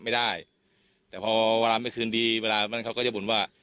ไม่ได้แต่พอเวลาไม่คืนดีเวลานั้นเขาก็จะบ่นว่า